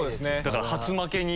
初負けに。